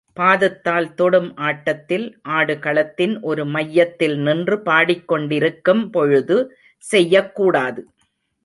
பாதத்தால் தொடும் ஆட்டத்தில், ஆடுகளத்தின் ஒரு மையத்தில் நின்று பாடிக் கொண்டிருக்கும் பொழுது செய்யக்கூடாது.